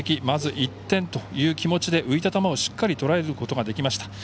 まず１点という気持ちで浮いた球をしっかりとらえることができました。